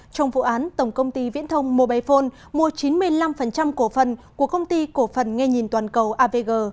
trong vụ án tổng công ty viễn thông mobile phone mua chín mươi năm cổ phần của công ty cổ phần nghe nhìn toàn cầu avg